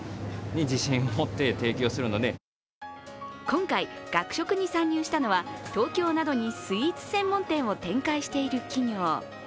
今回、学食に参入したのは、東京などにスイーツ専門店を展開している企業。